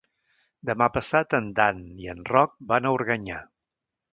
Demà passat en Dan i en Roc van a Organyà.